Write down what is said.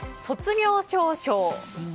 卒業証書。